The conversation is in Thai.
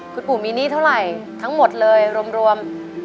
คุณปู่มีหนี้เท่าไหร่ทั้งหมดเลยรวม